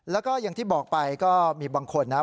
แล้วก็อย่างที่บอกไปก็มีบางคนนะครับ